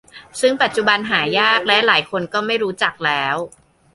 ซึ่งปัจจุบันหายากและหลายคนก็ไม่รู้จักแล้ว